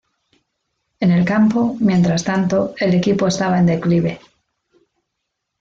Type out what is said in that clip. En el campo, mientras tanto, el equipo estaba en declive.